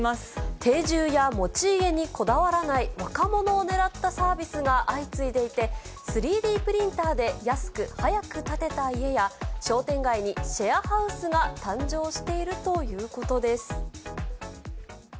定住や持ち家にこだわらない若者をねらったサービスが相次いでいて、３Ｄプリンターで安く、早く建てた家や、商店街にシェアハウスが誕生しているということです。